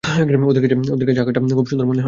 ওদের কাছে আকাশটা খুব সুন্দর মনে হয়!